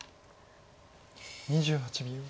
２８秒。